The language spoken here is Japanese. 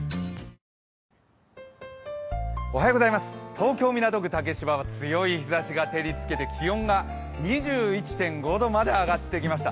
東京・港区竹芝は強い日ざしが照りつけて、気温が２１．５度まで上がってきました。